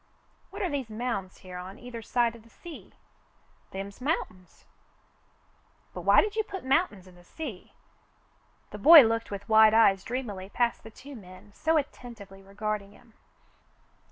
"What are these mounds here on either side of the sea.'' "Them's mountains." "But why did you put mountains in the sea?" The boy looked with wide eyes dreamily past the two men so attentively regarding him.